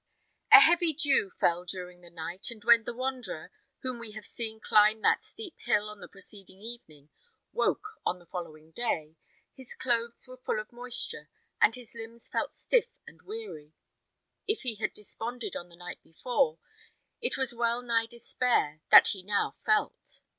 A heavy dew fell during the night, and when the wanderer, whom we have seen climb that steep hill on the preceding evening, woke on the following day, his clothes were full of moisture, and his limbs felt stiff and weary. If he had desponded on the night before, it was well nigh despair that he now felt.